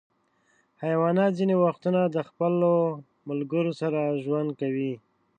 حیوانات ځینې وختونه د خپلو ملګرو سره ژوند کوي.